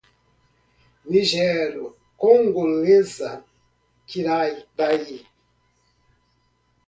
Nigero-congolesa, Kra-Dai